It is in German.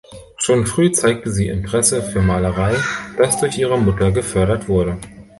Schon früh zeigte sie Interesse für Malerei, das durch ihre Mutter gefördert wurde.